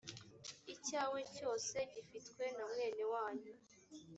icyawe cyose gifitwe na mwene wanyu